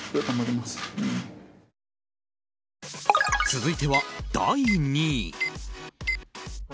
続いては、第２位。